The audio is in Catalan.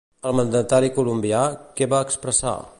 El mandatari colombià, què va expressar?